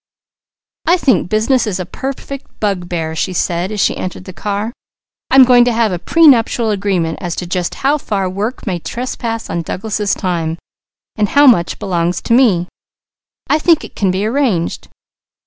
"I think business is a perfect bugbear," she said as she entered the car. "I'm going to have a pre nuptial agreement as to just how far work may trespass on Douglas' time, and how much belongs to me. I think it can be arranged.